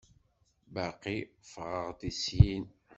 Baqi ffɣeɣ-d syin.